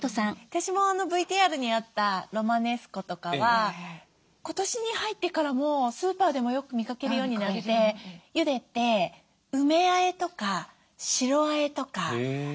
私もＶＴＲにあったロマネスコとかは今年に入ってからもうスーパーでもよく見かけるようになってゆでて梅あえとか白あえとか。